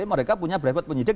mereka punya brevet penyidik